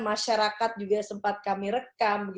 masyarakat juga sempat kami rekam